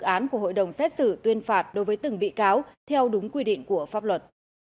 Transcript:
án của hội đồng xét xử tuyên phạt đối với từng bị cáo theo đúng quy định của pháp luật